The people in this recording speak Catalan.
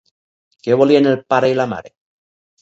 Què volien el pare i la mare?